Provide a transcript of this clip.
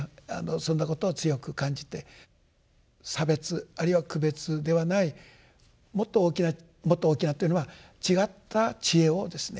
そんなことを強く感じて差別あるいは区別ではないもっと大きなもっと大きなというのは違った智慧をですね